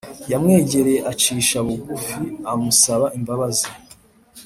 yamwegereye acisha bugufi amusaba imbabazi